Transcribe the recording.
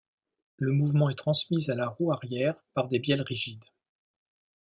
Le mouvement est transmis à la roue arrière par des bielles rigides.